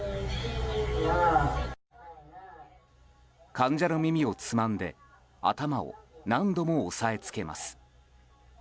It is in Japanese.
患者の耳をつまんで頭を何度も押さえつけます。